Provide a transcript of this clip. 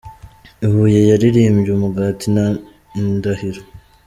I Huye yaririmbye ’Umugati’ na ’Indahiro’.